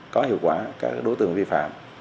có hiệu quả các đối tượng vi phạm